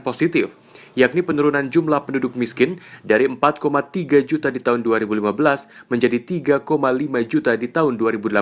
positif yakni penurunan jumlah penduduk miskin dari empat tiga juta di tahun dua ribu lima belas menjadi tiga lima juta di tahun dua ribu delapan belas